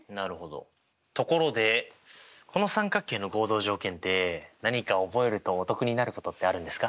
ところでこの三角形の合同条件って何か覚えるとお得になることってあるんですか？